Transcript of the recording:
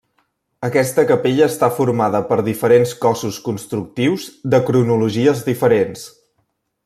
Aquesta capella està formada per diferents cossos constructius de cronologies diferents.